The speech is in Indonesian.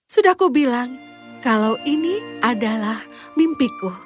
sudah kubilang kalau ini adalah mimpiku